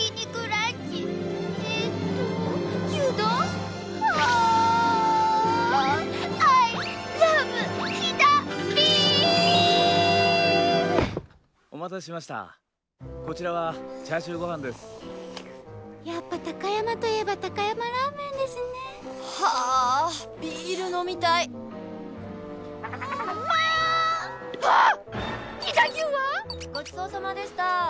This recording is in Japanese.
飛騨牛は⁉ごちそうさまでした。